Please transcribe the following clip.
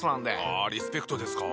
あリスペクトですか。